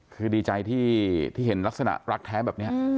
คือดีใจที่เห็นลักษณะรักแท้แบบนี้